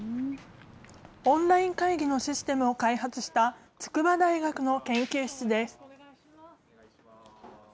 オンライン会議のシステムを開発した、筑波大学の研究室です。